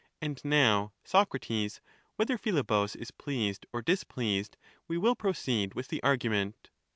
And now, Socrates, whether Philebus is pleased or displeased, we will proceed with the argument.